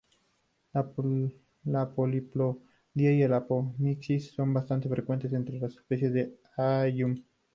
La poliploidía y la apomixis son bastante frecuentes entre las especies de "Allium".